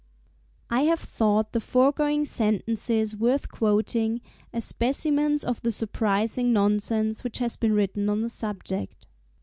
I have thought the foregoing sentences worth quoting, as specimens of the surprising nonsense which has been written on the subject.